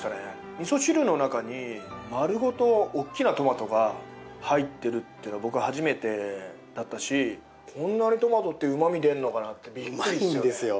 味噌汁の中に丸ごとおっきなトマトが入っているっていうのは僕は初めてだったしこんなにトマトってうまみ出るのかなってビックリですよね。